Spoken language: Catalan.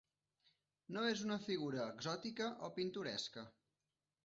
No és una figura exòtica o pintoresca.